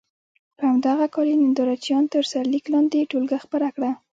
په همدغه کال یې ننداره چیان تر سرلیک لاندې ټولګه خپره کړه.